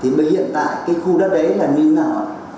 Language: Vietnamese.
thế mà hiện tại cái khu đất đấy là như nào ạ